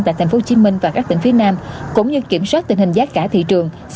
tại thành phố hồ chí minh và các tỉnh phía nam cũng như kiểm soát tình hình giá cả thị trường